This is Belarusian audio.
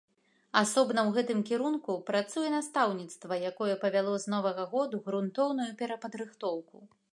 Асобна ў гэтым кірунку працуе настаўніцтва, якое павяло з новага году грунтоўную перападрыхтоўку.